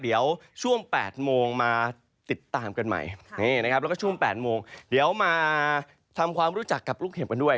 เดี๋ยวช่วง๘โมงมาติดตามกันใหม่นี่นะครับแล้วก็ช่วง๘โมงเดี๋ยวมาทำความรู้จักกับลูกเห็บกันด้วย